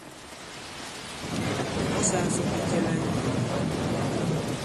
Ɔ̀ mɔsāā sɔ ndi cɛ la ŋ̀yēē la?